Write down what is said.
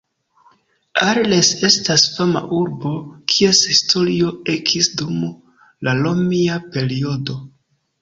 Arles estas fama urbo, kies historio ekis dum la Romia periodo.